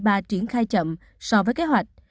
và triển khai chậm so với kế hoạch